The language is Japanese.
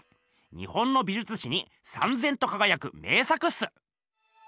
日本の美じゅつ史にさんぜんとかがやく名作っす。